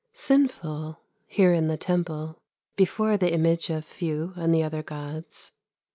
Sinful, here in the Temple, before the image of Fu and the other gods.